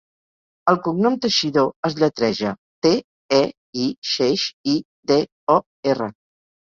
El cognom 'Teixidor' es lletreja te, e, i, xeix, i, de, o, erra.